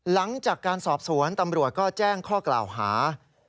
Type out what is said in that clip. หลังจากการสอบสวนตำรวจก็แจ้งข้อกล่าวหา